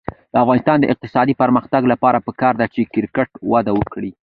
د افغانستان د اقتصادي پرمختګ لپاره پکار ده چې کرکټ وده وکړي.